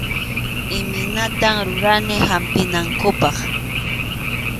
Imaymanata rurani hampinankupaq.